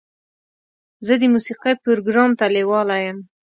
زه د موسیقۍ پروګرام ته لیواله یم.